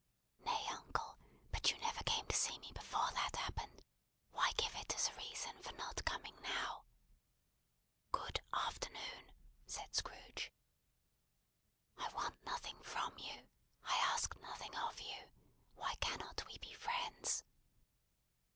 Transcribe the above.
"Nay, uncle, but you never came to see me before that happened. Why give it as a reason for not coming now?" "Good afternoon," said Scrooge. "I want nothing from you; I ask nothing of you; why cannot we be friends?"